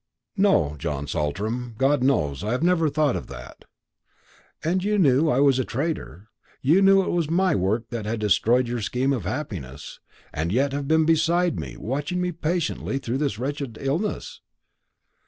"No, John Saltram; God knows, I have never thought of that." "And you knew I was a traitor you knew it was my work that had destroyed your scheme of happiness and yet have been beside me, watching me patiently through this wretched illness?"